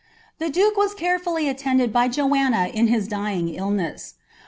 53 The doke was carefully attended by Joanna in hia dying illness.